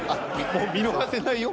もう見逃せないよ。